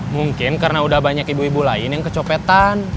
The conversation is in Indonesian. mungkin karena udah banyak ibu ibu lain yang kecopetan